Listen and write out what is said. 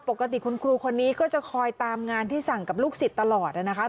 ปกติคุณครูคนนี้ก็จะคอยตามงานที่สั่งกับลูกศิษย์ตลอดนะคะ